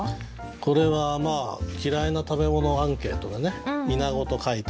これは嫌いな食べ物アンケートでね「イナゴ」と書いた少年。